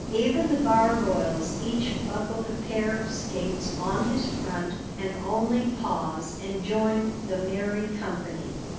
Even the gargoyles each buckled a pair of skates on his front and only paws, and joined the merry company.